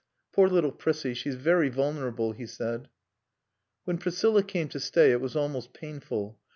Poor little Prissie, she's very vulnerable," he said. When Priscilla came to stay it was almost painful.